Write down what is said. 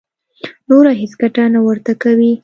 نوره هېڅ ګټه نه ورته کوي.